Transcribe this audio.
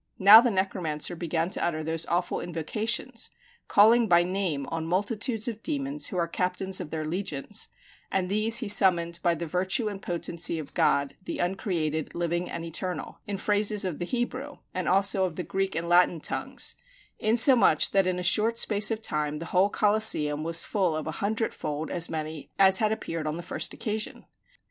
Now the necromancer began to utter those awful invocations, calling by name on multitudes of demons who are captains of their legions, and these he summoned by the virtue and potency of God, the Uncreated, Living, and Eternal, in phrases of the Hebrew, and also of the Greek and Latin tongues; insomuch that in a short space of time the whole Coliseum was full of a hundredfold as many as had appeared upon the first occasion.